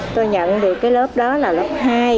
tôi nhận thì cái lớp đó là lớp hai